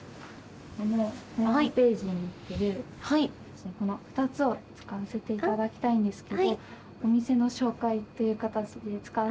このホームページにのってるこの２つを使わせていただきたいんですけどお店の紹介という形で使わせていただいても。